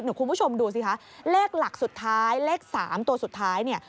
เดี๋ยวคุณผู้ชมดูสิคะเลขหลักสุดท้ายเลข๓ตัวสุดท้ายเนี่ย